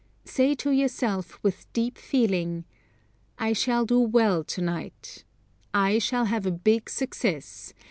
Say to yourself with deep feeling, "I shall do well tonight. I shall have a big success.